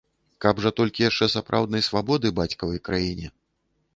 Каб жа толькі яшчэ сапраўднай свабоды бацькавай краіне!